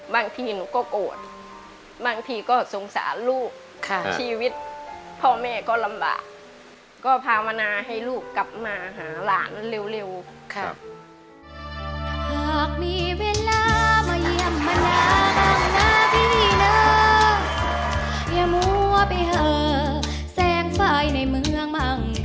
บางทีหนูก็โกรธบางทีก็สงสารลูกชีวิตพ่อแม่ก็ลำบากก็พาวนาให้ลูกกลับมาหาหลานเร็ว